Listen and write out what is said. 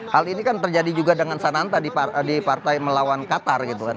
hal ini kan terjadi juga dengan sananta di partai melawan qatar gitu kan